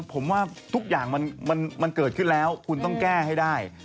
ผมว่าทุกอย่างมันเกิดขึ้นแล้วคุณต้องแก้ให้ได้